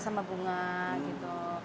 sama bunga gitu